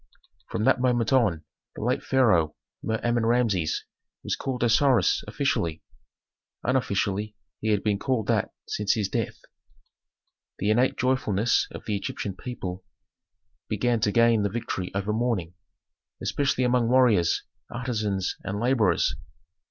From that moment on, the late pharaoh, Mer Amen Rameses, was called "Osiris" officially; unofficially, he had been called that since his death. The innate joyfulness of the Egyptian people began to gain the victory over mourning, especially among warriors, artisans, and laborers.